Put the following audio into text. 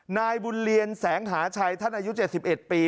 นายบุญเรียนแสงหาชัยท่านอายุ๗๑ปี